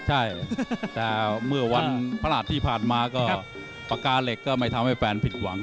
ใช่แต่เมื่อวันพระหัสที่ผ่านมาก็ปากกาเหล็กก็ไม่ทำให้แฟนผิดหวัง